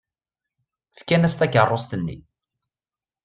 Fkan-as takeṛṛust-nni.